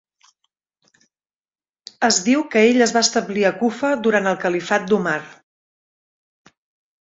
Es diu que ell es va establir a Kufa durant el califat d'Umar.